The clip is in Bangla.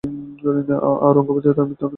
আওরঙ্গজেব তার মৃত্যুতে অনেক কষ্ট পান।